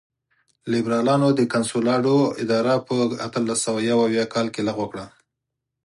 لېبرالانو د کنسولاډو اداره په اتلس سوه یو اویا کال کې لغوه کړه.